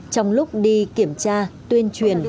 trong lúc đi kiểm tra tuyên truyền